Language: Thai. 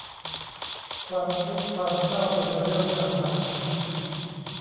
ความทุกข์ความเศร้าเป็นเรื่องสามัญ